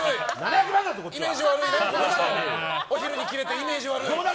お昼にキレて、イメージ悪い。